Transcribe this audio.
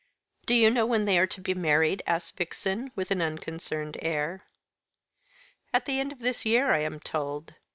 "Do you know when they are to be married?" asked Vixen, with an unconcerned air. "At the end of this year, I am told.